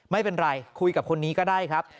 ไม่เป็นไรคุยกับคนนี้ก็ได้ครับ